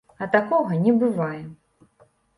А такога не бывае.